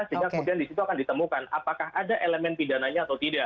sehingga kemudian disitu akan ditemukan apakah ada elemen pidananya atau tidak